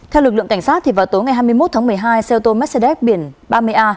theo lực lượng cảnh sát vào tối ngày hai mươi một tháng một mươi hai xe ô tô mercedes biển ba mươi a